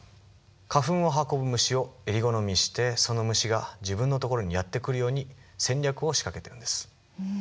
花粉を運ぶ虫をえり好みしてその虫が自分のところにやって来るように戦略を仕掛けてるんです。